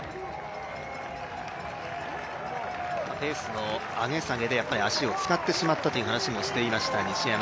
ペースの上げ下げで足を使ってしまったという話をしていました西山。